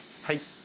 はい。